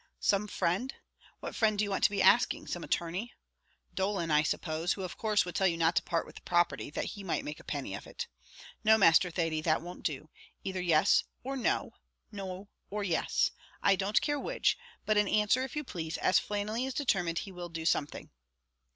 "Some friend; what friend do you want to be asking some attorney? Dolan, I suppose, who of course would tell you not to part with the property, that he might make a penny of it. No, Master Thady, that won't do; either yes or no no or yes; I don't care which; but an answer, if you please, as Flannelly is determined he will do something."